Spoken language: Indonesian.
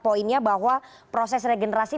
poinnya bahwa proses regenerasi